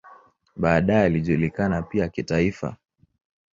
Baadaye alijulikana pia kitaifa.